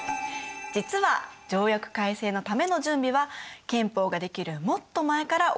実は条約改正のための準備は憲法が出来るもっと前から行われていたんです。